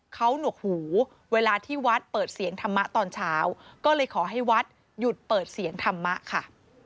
เขาหนวกหูเวลาที่วัดเปิดเสียงธรรมะตอนเช้าก็เลยขอให้วัดหยุดเปิดเสียงธรรมะค่ะ